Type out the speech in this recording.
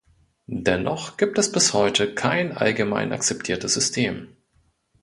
Dennoch gibt es bis heute kein allgemein akzeptiertes System.